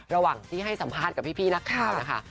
ระหว่างที่ให้สัมภาษณ์กับพี่นักข่าวนะคะ